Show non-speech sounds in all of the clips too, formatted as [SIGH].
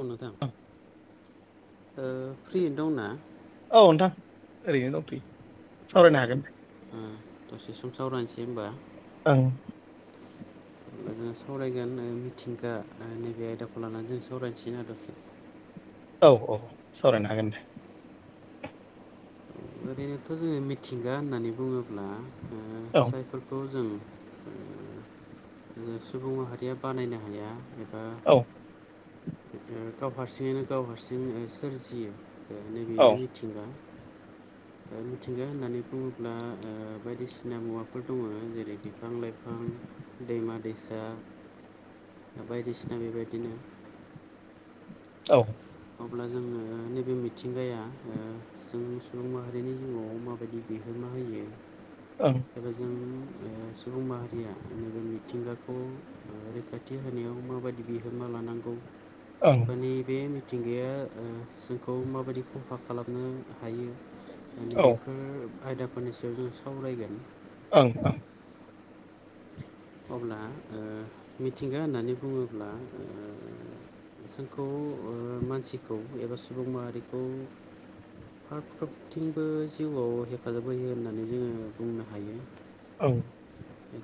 औ नोंथां फ्रियैनो दंना औ नोंथां ओरैनो दंथैयो औ सावरायनो हागोन ओ दसे सम सावरायसै होमबा ओं जोङो सावरायगोन मिथिंगा नैबे आयदाखौ लानानै जों सावरायनोसैना दसे औ औ सावरायनो हागोन दे ओरैनोथ जोङो मिथिंगा होननानै बुङोब्ला औ जायफोरखौ जों सुबुं माहारिया बानायनो हाया एबा औ गाव हारसिङैनो गाव हारसिंनो सोरजियो दा औ नैबेनो मिथिंगा मिथिंगा होननानै बुङोब्ला बायदिसिना मुवाफोर दङ जेरै बिफां लाइफां दैमा दैसा बायदिसिना बेबायदिनो औ अब्ला जोङो नैबे मिथिंगाया ओ जों सुबुं माहारिनि जिउआव माबायदि बिहोमा होयो औ एबा जों सुबुं माहारिया नैबे मिथिंगाखौ रैखाथि होनायाव माबायदि बिहोमा लानांगौ ओं बा नैबे मिथिंगाया जोंखौ माबायदि खहा खालामनो हायो दा औ नैबेफोर आयदाफोरनि सायाव जों सावरायगोन औ औ अब्ला ओ मिथिंगा होननानै बुङोब्ला ओ बिथांखौ मानसिखौ एबा सुबुं माहारिखौ फार्फ्रथिंबो जिउआव हेफाजाब होयो होननानै जोङो बुंनो हायो औ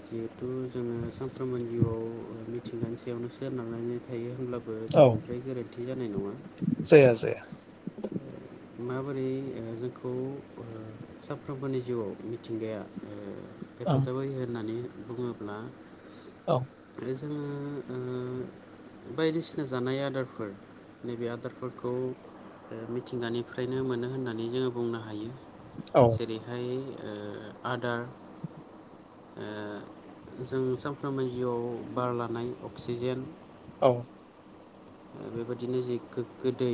जिहेथु जोङो सानफ्रोमबो जिउआव मिथिंगानि सायावनो सोरनारनानै थायो हब्ला बो औ बांद्राय गोरोन्थि जानाय नङा जाया जाया [INAUDIBLE] माबोरै जोंखौ साफ्रोमबोनि जिउआव मिथिंगाया ओं हेफाजाब होयो होननानै बुङोब्ला औ आरो जोङो बायदिसिना जानाय आदारफोर नैबे आदारफोरखौ ओ मिथिंगानिफ्रायनो मोनो होननानै जोङो बुंनो हायो औ जेरैहाय आदार जों सानफ्रोमबो जिउआव बार लानाय अक्सिजेन औ बेबायदिनो जे गोग्गो दै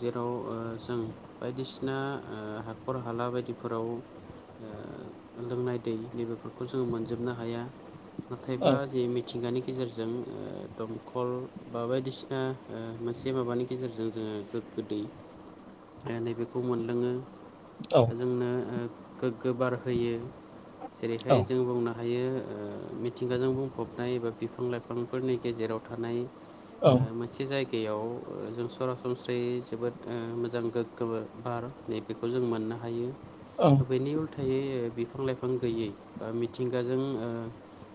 जेराव ओ जों बायदिसिना हाखर हाला बायदिफोराव लोंनाय दै नैबेफोरखौ जोङो मोनजोबनो हाया औ नाथायब्ला जे मिथिंगानि गेजेरजों दमखल बा बायदिसिना मोनसे माबानि गेजेरजों जोङो गोग्गो दै ओमफ्राय नैबेखौ मोनलोङो औ द जोंनो गोग्गो बार होयो औ जेरैहाय ओं जों बुंनो हायो मिथिंगाजों बुंफबनाय एबा बिफां लाइफांफोरनि गेजेराव थानाय औ मोनसे जायगायाव जों सरासनस्रायै जोबोद मोजां गोग्ग बार नै बेेखौ जों मोननो हायो ओं बेनि उल्थायै बिफां लाइफां गैयै बा मिथिंगाजों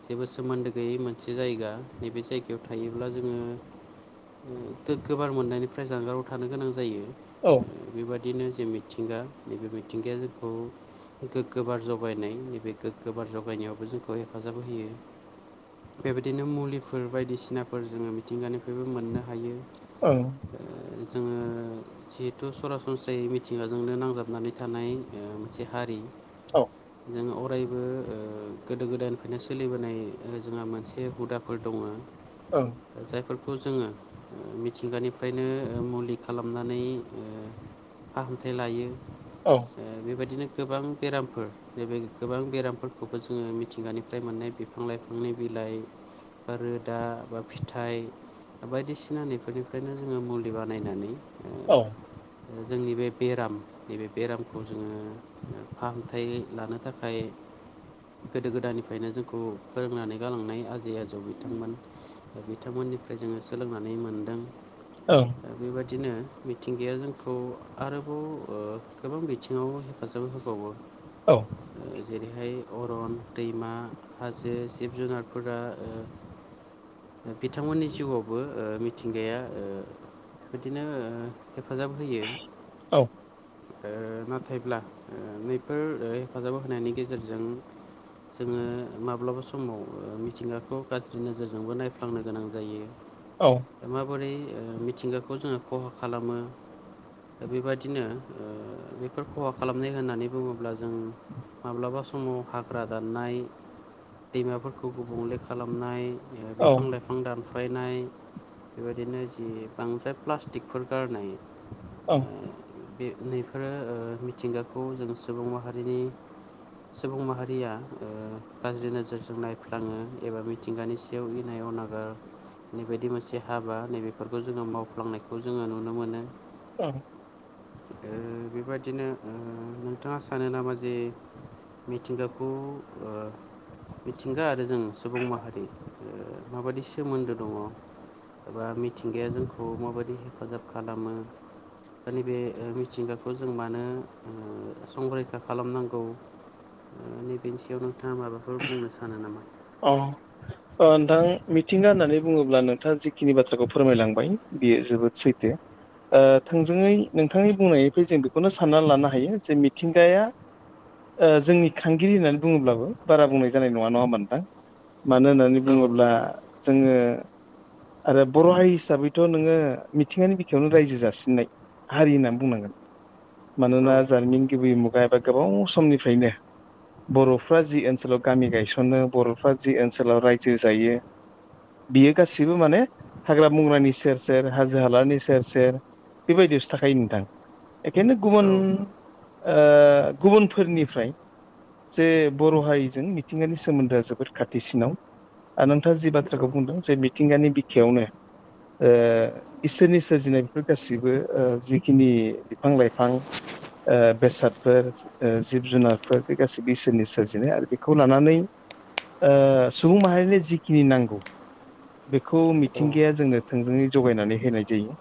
जेबो सोमोन्दो गैयै मोनसे जायगा नैबे जायगायाव थायोब्ला जोङो गोगगो बार मोननायनिफ्राय जानगाराव थानो गोनां जायो औ बेबायदिनो जे मिथिंगा नैबे मिथिंगाया जोंखौ गोगो बार जगायनाय नैबे गोग्गो बार जगायनायावबो जोंखौ हेफाजाब होयो बेबायदिनो मुलिफोर बायदिसिनाफोर जोङो मि मिथिंगानिफ्रायबो मोननो हायो औ जोङो जिहेथु सरासनस्रायै मिथिंगाजोंनो नांजाबनानै थानाय मोनसे हारि औ जोङो अरायबो गोदो गोदायनिफ्रायनो सोलिबोनाय जोंहा मोनसे हुदाफोर दङ औ जायफोरखौ जोङो मिथिंगानिफ्रायनो मुलि खालामनानै फाहामथाय लायो औ बेबायदिनो गोबां बेरामफोर नैबे गोबां बेरामफोरखौबो जोङो मिथिंगानिफ्राय मोननाय बेफोर बिफां लायफांनि बिलाइ बा रोदा बा फिथाइ फिथाइ बायदिसिना नैफोरनिफ्रायनो जोङो मुलि बानायनानै औ जोंनि बे बेराम नैबे बेरामखौ जोङो फाहामथाय लानो थाखाय गोदो गोदायनिफ्रायनो जोंखौ फोरोंनानै गालांनाय आजै आजौ बिथांमोन दा बिथांमोननिफ्राय जोङो सोलोंनानै मोनदों औ दा बेबादिनो मिथिंगाया जोंखौ आरोबाव गोबां बिथिङाव हेफाजाब होबावो औ जेरैहाय अरन दैमा हाजो जिब जुनारफोरा बिथांमोननि जिउआवबो मिथिंगाया बिदिनो हेफाजाब होयो नाथायब्ला नैफोर हेफाजाब होनायनि गेजेरजों जोङो माब्लाबा समाव मिथिंगाखौ गाज्रि नोजोरजोंबो नायफै फांनो गोनां जायो औ माबोरै मिथिंगाखौ जोङो खहा खालामो दा बेबायदिनो बेफोर खहा खालामनाय होननानै बुङोब्ला जों माब्लाबा समाव हाग्रा दाननाय दैमाफोरखौ गुबुंले खालामनाय ओं बिफां लाइफां दानफ्लायनाय बेबायदिनो जि बांद्राय प्लास्टिकफोर गारनाय औ बे नैफोरो मिथिंगाखौ जों सुबुं माहारिनि सुबुं माहारिया गाज्रि नोजोरजों नायफ्लाङो एबा मिथिंगानि सायाव इनाय अनागार नै बदि मोनसे हाबा नैबेफोरखौ जोङो मावफ्लांनायखौ जोङो नुनो मोनो औ बेबायादिनो नोंथाङा सानो नामा जे मिथिंगाखौ मिथिंगा आरो जों सुबुं माहारि माबायदि सोमोन्दो दङ एबा मिथिंगाया जोंखौ माबायदि हेफाजाब खालामो दा नैबे मिथिंगाखौ जों मानो संरैखा खालामनांगौ [INAUDIBLE] नैबेनि सायाव नोंथाङा माबाफोर बुंनो सानो नामा अ नोंथां मिथिंगा होननानै बुङोब्ला नोंथाङा जिखिनि बाथ्राखौ फोरमायलांबाय बियो जोबोद सैथो थोंजोङै नोंथांनि बुंनायनिफ्राय जों बेखौनो साननानै लानो हायो जे मिथिंगाया जोंनि खांगिरि होननानै बुङोब्लाबो बारा बुंनाय जानाय नङा नङा होमबा नोंथां मानो होननानै औ बुङोब्ला नंगौ जोङो आरो बर' हारि हिसाबैथ' नोङो मिथिंगानि बिखायावनो रायजो जासिननाय हारि होननानै बुंनांगोन औ मानोना जारिमिन गिबि मुगा बा गोबाव समनिफ्रायनो बर'फ्रा जि ओनसोलाव गामि गायसनो बर आफ जि ओनसोलाव रायजो जायो बियो गासिबो माने हाग्रा बंग्रानि सेर सेर हाजो हालानि सेर सेर बेबायदियावसो थाखायो नोंथां बेखायनो गुबुन औ गुबुनफोरनिफ्राय जे बर' हारिजों मिथिंगानि सोमोन्दोआ जोबोर खाथिसिनाव आरो नोंथाङा जि बाथ्राखौ बुंदों जे मिथिंगानि बिखायावनो इसोरनि सोरजिनाय बेफोर गासिबो जिखिनि बिफां लाइफां बेसाद फोर जिब जुनारफोर बे गासै बिसोरनि सोरजिनाय आरो बेखौ लानानै सुबुं माहारिनो जिखिनि नांगौ बेखौ औ मिथिंगाया जोंनो थोंजोङै जगायनानै होनाय जायो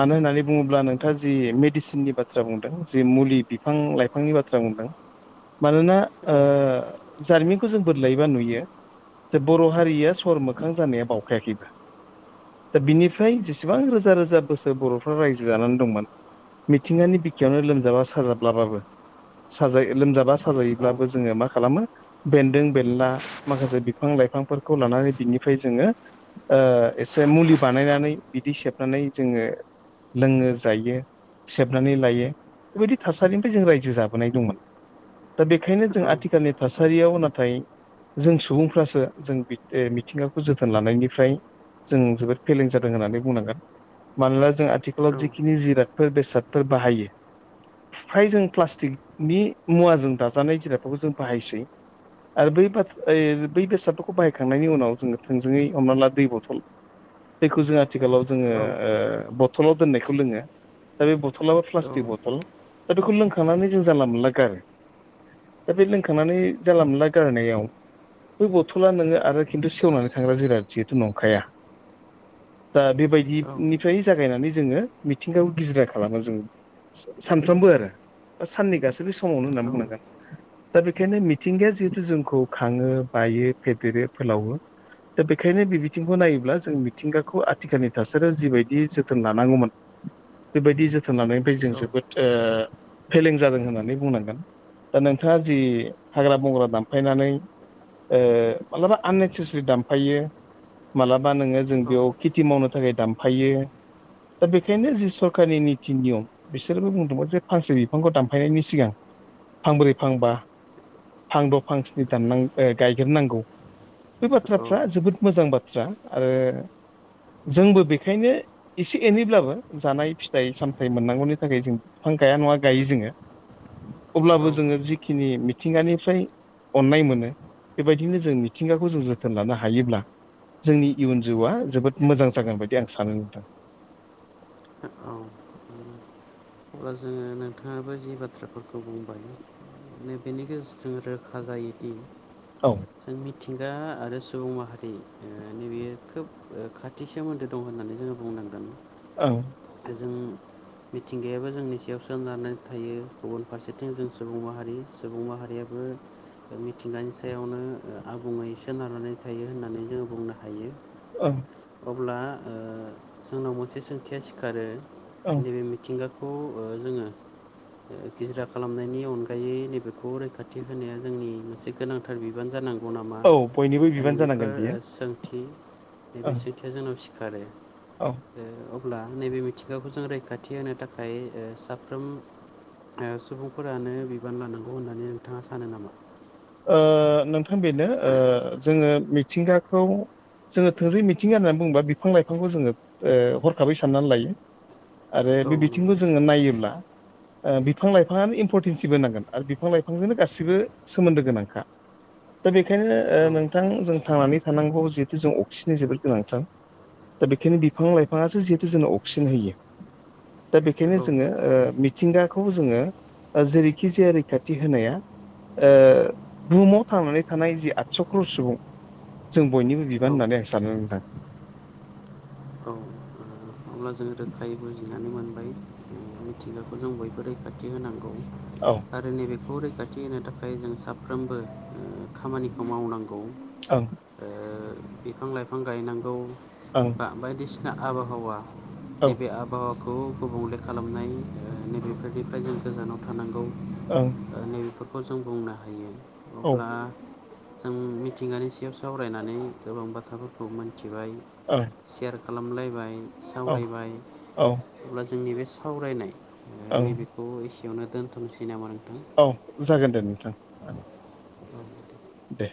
मानो होननानै बुङोब्ला नोंथाङा जि मेडिसिननि बाथ्रा बुंदों ज मुलि बिफां लाइफांनि बाथ्रा बाथ्रा बुंदों मानोना ओ औ जारिमिनखौ जों बदलायोबा नुयो जे बर' हारिया सर मोखां जानाया बावखायाखैबो दा बिनिफ्राय जेसेबां रोजा रोजा बोसोर बर'फ्रा रायजो जानानै दंमोन मिथिंगानि बिखायावनो लोमजाबा साजाब्लाबाबो साजायो लोमजाबा साजायोब्लाबो जोङो मा खालामो बेन्दों बेनला माखासे बिफां लाइफांफोरखौ लानानै बिनिफ्राय जोङो एसे मुलि बानायनानै बिदि सेबनानै जोङो लोङो जायो सेबनानै लायो बेबायदि थासारिनिफ्राय जों रायजो जाबोनाय दंमोन दा बेखायनो जों नि थासारियाव नाथाय जों सुबुंफ्रासो जों मिथिंगाखौ जोथोन लानायनिफ्राय जों जोबोद फेलें जादों होननानै बुंनांगोन मानोना जों आथिखालाव औ जिखिनि जिरादफोर बेसादफोर बाहायो फ्राय जों प्लास्टिकनि मुवाजों दाजानाय जिरादफोरखौ जों बाहायसै आरो बै बाथ बै बेसादफोरखौ बाहायखांनायनि उनाव जोंङो थोंजोङै हमना ला दै बथल जखौ जों आथिखालाव जोङो बथलाव दोननायखौ लोङो दा बे बथलबो प्लास्टिक बथल दा बेखौ लोंखांनानै जों जानला मोनला गारो दा बे लोंखांनानै जानला मोनला गारनायाव बै बथला नोङो आरो खिन्थु सेवनानै खांग्रा जा जिहेथु नंखाया दा बेबायदिनिफ्राय जागायनानै जोङो मिथिंगायाव गिजिरा खालामो जों सानफ्रोमबो आरो बा सानननि गासैबो समावनो होननानै बुंनांगोन दा बेखायनो मिथिंगाया जिहेथु जोंखौ खांङो बायो फेदेरो फोलावो दा बेखायनो बे बिथिंखौ नायोब्ला जों मिथिंगाखौ आथिखालनि थासारियाव जिबायदि जोथोन लानांगौमोन बेबायदि जोथोन लानायनिफ्राय जों जोबोद फेलें जादों होननानै बुंनांगोन खोथा जि हाग्रा बंग्रा दामफायनानै मालाबा आननेसेसारि दामफायो मालाबा नोंङो जों औ बेयाव खेथि मावनो थाखाय दामफायो दा बेखायनो जि सरखारारनि नित नियम बिसोरबो बुंदोंमोन जे फांसे बिफांखौ दानफायनायनि सिगां फांब्रै फांबा फां द' फां सनि दान गायग्रोनांगौ बे बाथ्राफ्रा जोबोद मोजां बाथ्रा आरो जोंबो बेखायनो एसे एनैब्लाबो जानाय फिथाइ सामथायाइ मोननांगौनि थाखाय जों बिफां गाया नंङा गायो जोंङो अब्लाबो जोंङो जिखिनि मिथिंगानिफ्राय अननाय मोनो बेबायदिनो जों मिथिंगाखौ जों जोथोन लानो हायोब्ला जोंनि इयुन जिउआ जोबोद मोजां जागोन बायदि आं सानो नुदों औ अब्ला जोंङो नोंथांङाबो जि बाथ्राफोरखौ बुंबाय बेनि गेजेरजों रोखा जायोदि औ जों मिथिंगा आरो सुबुं माहारि नै बेयो खोब खा खाथि सोमोन्दो दं होननानै जोंङो बुंनांदोंमोन औ जों मिथिंगायाबो जोंनि सायावसो लनानै थायो गुबुन फारसेथिं जों सुबुं माहारि सुबुं माहारियाबो मिथिंगानि सायावनो आबुंङै सोनारनानै थायो होननानै जोंङो बुंनो हायो। अ अब्ला जोंनाव मोनसे सोंथिया सिखारो औ नैबे मिथिंगाखौ खौ जोंङो गिजिरा खालामनायनि अनगायै नैबेखौ रैखाथि होनाया जोंनि मोनसे गोनांथार बिबान जानांगौ। जौ नामा औ बयनिबो दा बिबान जानांगोन नैबेफोर बियो सोंथि बे औ बे सथिया जोंनाव सिखारो औ। अब्ला नैबे मिथिंगाखौ जों रैखाथि होनो थाखाय साफ्रोम सुबुंफोरानो बिबान लानांगौ होननानै नोंथांङा सानो नामा? नोंथां बेनो जोंङो मिथिंगाखौ जोंङो थोरै मिथिंगा होननानै बुंङोब्ला बिफां लाइफांखौ जोङो हरखाबै साननानै लायो। आरो औ बे बिथिंखौ नंगौ जोंङो नायोब्ला बिफां लाइफांङानो इम्परटेन्सिबो नांगोन आरो बिफां लाइफांजोंनो गासिबो सोमोन्दो गोनांखा दा बेखायनो औ नोंथां जों थांनानै थानांगौ जिहेतु जों अफिसनि जोबोद गोनांथार दा बेखायनो बिफां लाइफाङासो जिहेतु जोंनो अक्सिजेन होयो। दा बेखायनो जोङो औ मिथिंगाखौ जोङो जेरैखि जाया रैखाथि होनाया बुहुमाव थांनानै थानाय जि आदस'ख्रर सुबुं जों बयनिबो बिबान औ होननानै आं सानो सानो नोंथां। औ अब्ला जों रोखायै बुजिनानै मोनबाय मिथिंगाखौ जों बयबो रैखाथि होनांगौ औ। आरो नैबेखौ रैखाथि होनो थाखाय जों साफ्रोमबो खामानिखौ मावनांगौ। औ बिफां लाइफां गायनांगौ। औ। बा बायदिसिना आबहावा औ नैबे आबहावा खौ गुबुंले खालामनाय नैबेफोरनिफ्राय जों गोजानाव थानांगौ। औ। ओ नैबेफोरखौ जों बुंनो हायो औ अब्ला जों मिथिंगानि सायाव सावरायनानै गोबां बाथ्राफोरखौ मिथिबाय औ। सेयार खालामलायबाय सावरायबाय औ अब्ला जोंनि बे सावरायनाय ओं नैबेखौ एसेयावनो दोनथ'नोसै नामा नोंथां। औ जागोन दे नोंथां। दे।